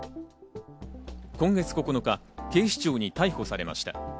今月９日、警視庁に逮捕されました。